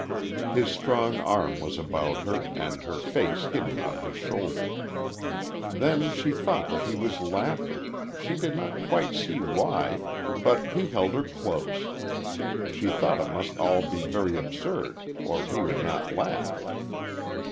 His strong arm was about her and her face hidden on his shoulder. Then she thought that he was laughing she did not quite see why but he held her close. She thought it must all be very absurd or he would not laugh.